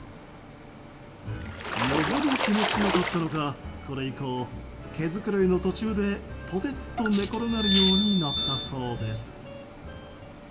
よほど気持ち良かったのかこれ以降、毛繕いの途中でぽてっと寝転がるようになったそうです。